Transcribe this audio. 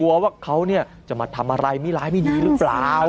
ว่าเขาจะมาทำอะไรไม่ร้ายไม่ดีหรือเปล่า